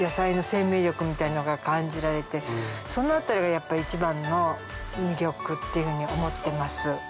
みたいなのが感じられてそのあたりがやっぱ一番の魅力っていうふうに思ってます。